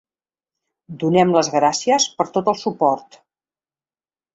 Donem les gràcies per tot el suport.